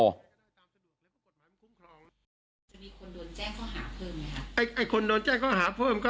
จะมีคนโดนแจ้งเข้าหาเพิ่มไหมครับ